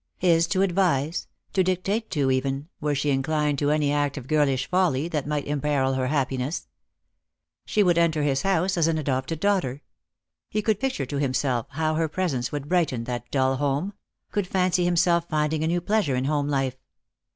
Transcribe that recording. His to advise, to dictate to even, were she inclined to any act of girlish folly that might imperil her happiness. ±,ost jor JLove. 69 She would enter his house as an adopted daughter. He could Eicture to himself how her presence would brighten that dull ome ; could fancy himself finding a new pleasure in home life.